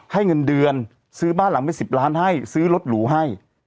เงินเดือนซื้อบ้านหลังเป็น๑๐ล้านให้ซื้อรถหรูให้